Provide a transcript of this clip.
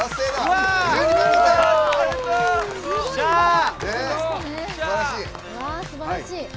わあすばらしい。